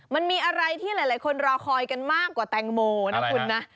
มันมีอะไรที่หลายคนรอคอยกันมากกว่าแตงโมนะคุณนะ